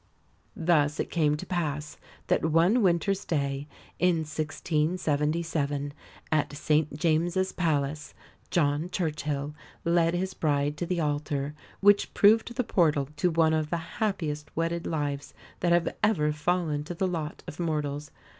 Thus it came to pass that one winter's day in 1677, at St James's Palace, John Churchill led his bride to the altar, which proved the portal to one of the happiest wedded lives that have ever fallen to the lot of mortals.